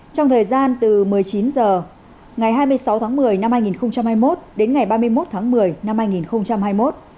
trong thời gian từ một mươi chín h ngày hai mươi sáu tháng một mươi năm hai nghìn hai mươi một đến ngày ba mươi một tháng một mươi năm hai nghìn hai mươi một